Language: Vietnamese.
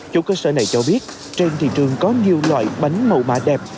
chỗ cơ sở này cho biết trên thị trường có nhiều loại bánh màu bá đẹp